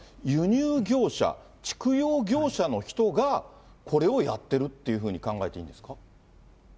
輸入業者、蓄養業者の人がこれをやっているというふうに考えていいんですか。